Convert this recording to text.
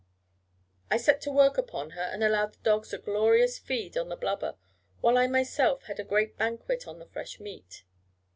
I set to work upon her, and allowed the dogs a glorious feed on the blubber, while I myself had a great banquet on the fresh meat.